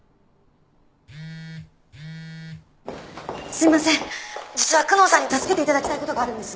すいません実は久能さんに助けていただきたいことがあるんです。